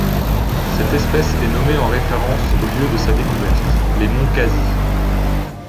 Cette espèce est nommée en référence au lieu de sa découverte, les monts Khasi.